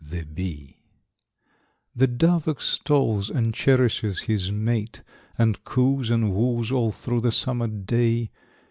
The Bee.= The Dove extols and cherishes his mate, And coos and woos all through the summer day.